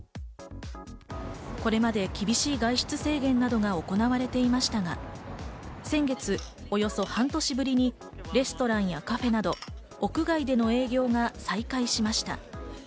これまで厳しい外出制限などが行われていましたが、先月およそ半年ぶりにレストランやカフェなど屋外での営業が再開しました。